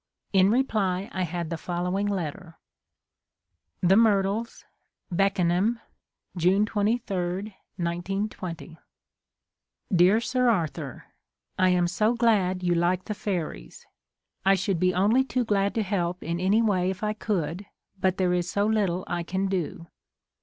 In reply I had the following letter : The Myrtles, Beckenliam, June 23, 1920. Dear Sm Arthur, I am so glad you like the fairies ! I should be only too glad to help in any way if I could, but there is so little I can do.